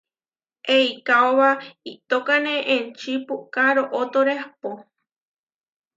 Eikaóba iʼtókane enčí puʼká rootóre ahpó.